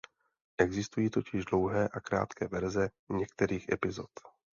Existují totiž dlouhé a krátké verze některých epizod.